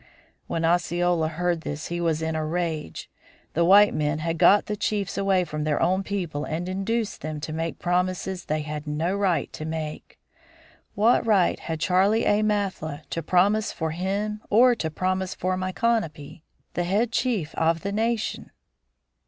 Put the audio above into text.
When Osceola heard this he was in a rage. The white men had got the chiefs away from their own people and induced them to make promises they had no right to make. What right had Charley A. Mathla to promise for him or to promise for Micanopy, the head chief of the nation?